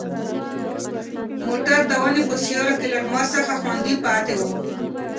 موټر د ونې په سیوري کې له لمر څخه خوندي پاتې و.